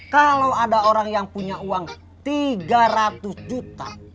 kalau ada orang yang punya uang tiga ratus juta